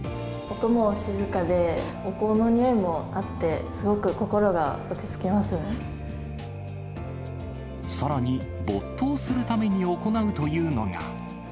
音も静かで、お香のにおいもさらに、没頭するために行うというのが。